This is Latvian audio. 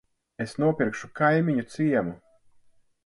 Es nopirkšu kaimiņu ciemu.